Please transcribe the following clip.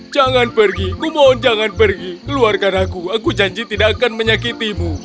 jangan pergi kumohon jangan pergi keluarkan aku aku janji tidak akan menyakitimu